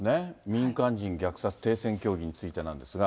民間人虐殺、停戦協議についてなんですが。